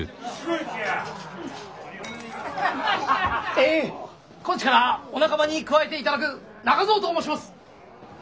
ええっ今日からお仲間に加えていただく中蔵と申します。